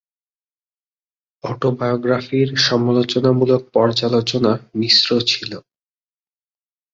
"অটোবায়োগ্রাফি"র সমালোচনামূলক পর্যালোচনা মিশ্র ছিল।